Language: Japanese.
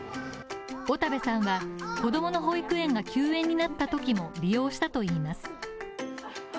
小田部さんは子供の保育園が休園になったときも利用したといいます。